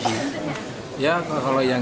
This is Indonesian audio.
sudah banyak seterbangnya dua ratus an